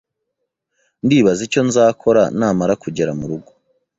Ndibaza icyo nzakora namara kugera murugo.